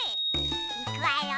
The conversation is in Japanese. いくわよ！